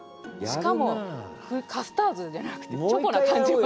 しかもカスタードじゃなくてチョコな感じも。